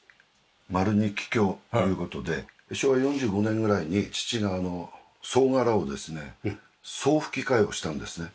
丸に桔梗という事で昭和４５年ぐらいに父が総瓦をですね総ふき替えをしたんですね。